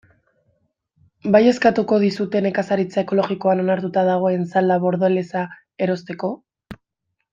Bai eskatuko dizute nekazaritza ekologikoan onartuta dagoen salda bordelesa erosteko?